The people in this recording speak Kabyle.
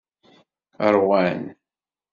Ṛwan.